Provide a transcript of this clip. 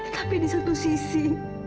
tapi di satu sisi